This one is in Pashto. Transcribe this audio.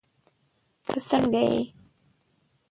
تہ سنګه یی